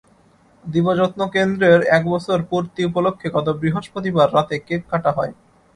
দিবাযত্ন কেন্দ্রের এক বছর পূর্তি উপলক্ষে গত বৃহস্পতিবার রাতে কেক কাটা হয়।